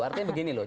artinya begini loh